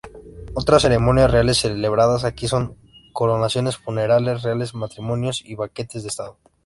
Otras ceremonias reales celebradas aquí son coronaciones, funerales reales, matrimonios y banquetes de estado.